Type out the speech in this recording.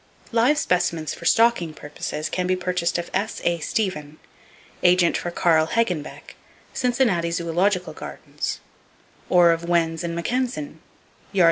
Live specimens for stocking purposes can be purchased of S.A. Stephan, Agent for Carl Hagenbeck, Cincinnati Zoological Gardens, or of Wenz & Mackensen, Yardley, Pa.